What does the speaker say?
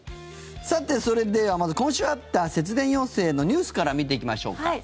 さて、それではまず今週あった節電要請のニュースから見ていきましょうか。